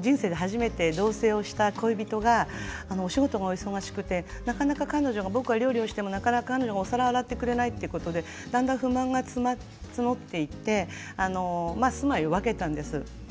人生で初めて同せいをした恋人がお仕事が忙しくてなかなか彼女がお皿を洗ってくれないということでだんだん不満が募っていって住まいを分けたんです。